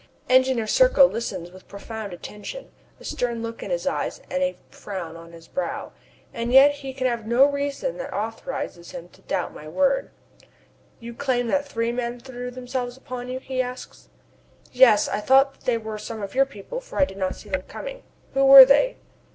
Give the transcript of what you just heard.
Engineer Serko listens with profound attention, a stern look in his eyes and a frown on his brow; and yet he can have no reason that authorizes him to doubt my word. "You claim that three men threw themselves upon you?" he asks. "Yes. I thought they were some of your people, for I did not see them coming. Who were they?"